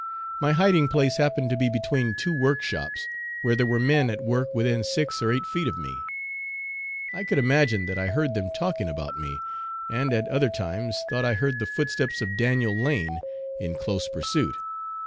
My hiding place happened to be between two workshops, where there were men at work within six or eight feet of me. I could imagine that I heard them talking about me, and at other times thought I heard the footsteps of Daniel Lane in close pursuit.